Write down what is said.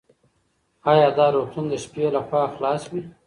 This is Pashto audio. ایا دا روغتون د شپې لخوا خلاص وي؟